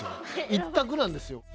１択なんですよ。